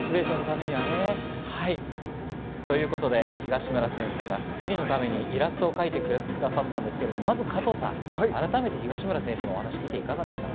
東村先生が『スッキリ』のためにイラストを描いてくださったんですけれども、まずは加藤さん、改めてお話を聞いていかがでしたか？